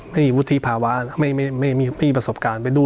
ไม่มีวุฒิภาวะไม่มีประสบการณ์ไปด้วย